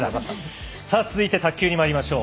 続いて卓球にまいりましょう。